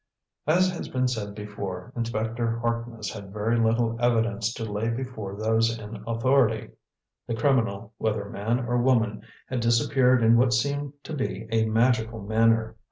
As has been before stated, Inspector Harkness had very little evidence to lay before those in authority. The criminal, whether man or woman, had disappeared in what seemed to be a magical manner.